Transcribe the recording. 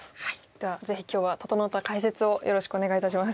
ではぜひ今日は整った解説をよろしくお願いいたします。